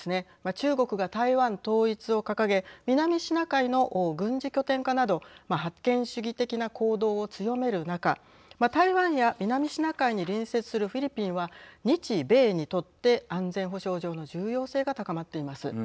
中国が台湾統一を掲げ南シナ海の軍事拠点化など覇権主義的な行動を強める中台湾や南シナ海に隣接するフィリピンは日米にとって安全保障上の重要性が高まっています。